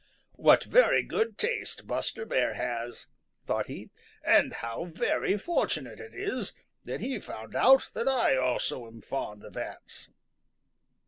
"What very good taste Buster Bear has," thought he, "and how very fortunate it is that he found out that I also am fond of ants."